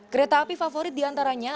kereta api favorit diantaranya